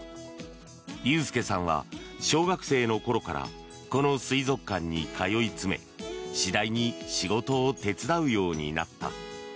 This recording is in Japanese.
裕介さんは小学生の頃からこの水族館に通い詰め次第に仕事を手伝うようになった。